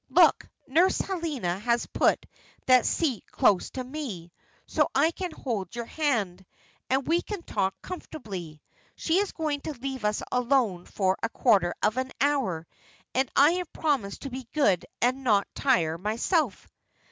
Look, Nurse Helena has put that seat close to me, so that I can hold your hand, and we can talk comfortably. She is going to leave us alone for a quarter of an hour, and I have promised to be good and not tire myself."